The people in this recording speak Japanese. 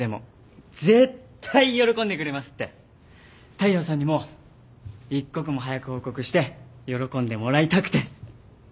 大陽さんにも一刻も早く報告して喜んでもらいたくて！